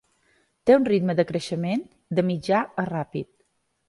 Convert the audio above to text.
Té un ritme de creixement de mitjà a ràpid.